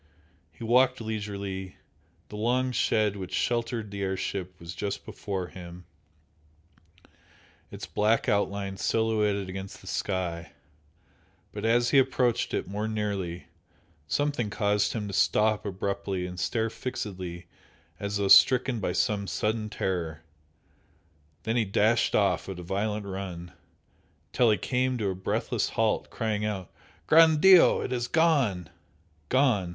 He walked leisurely, the long shed which sheltered the air ship was just before him, its black outline silhouetted against the sky but as he approached it more nearly, something caused him to stop abruptly and stare fixedly as though stricken by some sudden terror then he dashed off at a violent run, till he came to a breathless halt, crying out "Gran' Dio! It has gone!" Gone!